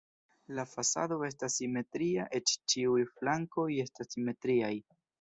La fasado estas simetria, eĉ ĉiuj flankoj estas simetriaj.